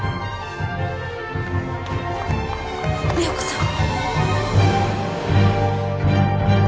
美保子さん。